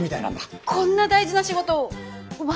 こんな大事な仕事を私が？